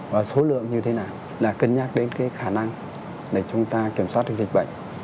và số lượng như thế nào là cân nhắc đến cái khả năng để chúng ta kiểm soát được dịch bệnh